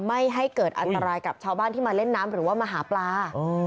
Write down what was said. ไม่ให้เกิดอันตรายกับชาวบ้านที่มาเล่นน้ำหรือว่ามาหาปลา